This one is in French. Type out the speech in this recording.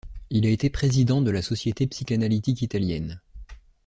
Il a été président de la Société psychanalytique italienne.